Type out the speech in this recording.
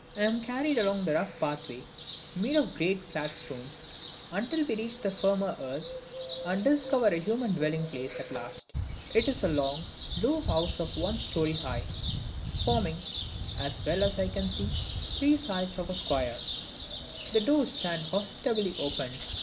I am carried along a rough pathway made of great flat stones, until we reach the firmer earth, and discover a human dwelling place at last. It is a long, low house of one story high; forming (as well as I can see) three sides of a square. The door stands hospitably open.